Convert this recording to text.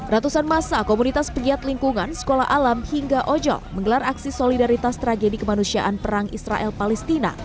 ratusan masa komunitas pegiat lingkungan sekolah alam hingga ojol menggelar aksi solidaritas tragedi kemanusiaan perang israel palestina